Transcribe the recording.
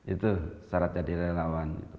itu syarat jadi relawan